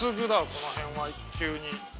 この辺は急に。